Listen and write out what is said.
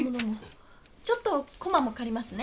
ちょっとコマもかりますね。